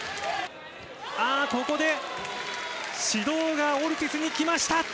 ああー、ここで指導がオルティスにきました。